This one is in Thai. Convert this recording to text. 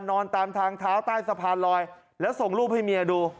นอนตามทางเท้าใต้สะพานลอยแล้วส่งรูปให้เมียดู